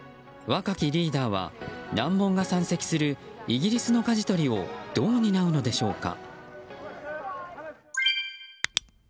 若きリーダーは難問が山積するイギリスのかじ取りをどう担うのでしょうか。